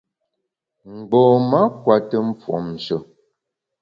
Mgbom-a kùete mfuomshe.